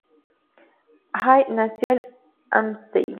Hall nació en Hampstead.